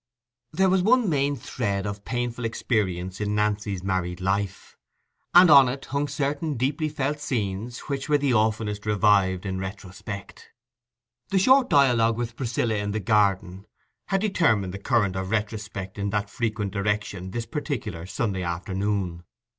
There was one main thread of painful experience in Nancy's married life, and on it hung certain deeply felt scenes, which were the oftenest revived in retrospect. The short dialogue with Priscilla in the garden had determined the current of retrospect in that frequent direction this particular Sunday afternoon.